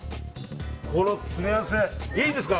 この詰め合わせ、いいですか。